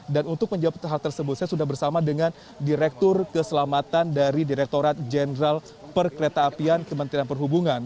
untuk menjawab hal tersebut saya sudah bersama dengan direktur keselamatan dari direkturat jenderal perkereta apian kementerian perhubungan